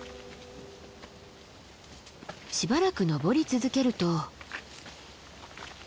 しばらく登り続けると。